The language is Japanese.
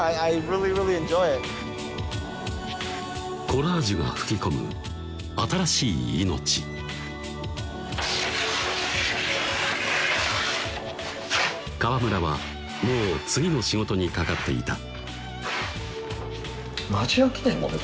コラージュが吹き込む新しい命河村はもう次の仕事にかかっていたマジ飽きないもんね